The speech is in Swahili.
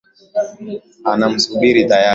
Anamsubiri tayari.